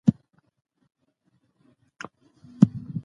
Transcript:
په مدرسو کي د څه سي تبلیغ کیده؟